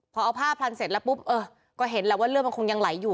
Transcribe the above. พอเอาผ้าพลันเสร็จแล้วปุ๊บเออก็เห็นแล้วว่าเลือดมันคงยังไหลอยู่